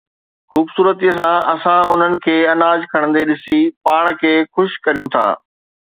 خوبصورتيءَ سان اسان انهن کي اناج کڻندي ڏسي پاڻ کي خوش ڪريون ٿا